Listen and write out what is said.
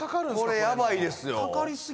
これヤバいですよ。